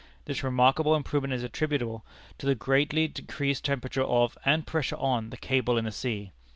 This remarkable improvement is attributable to the greatly decreased temperature of, and pressure on, the cable in the sea.